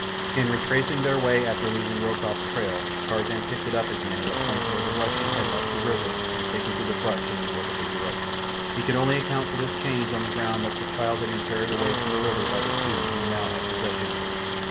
In retracing their way after losing Rokoff's trail Tarzan picked it up again at a point where the Russian had left the river and taken to the brush in a northerly direction. He could only account for this change on the ground that the child had been carried away from the river by the two who now had possession of it.